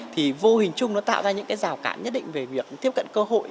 thì vô hình chung nó tạo ra những cái rào cản nhất định về việc tiếp cận cơ hội